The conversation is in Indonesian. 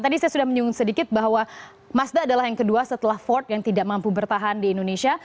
tadi saya sudah menyinggung sedikit bahwa mazda adalah yang kedua setelah ford yang tidak mampu bertahan di indonesia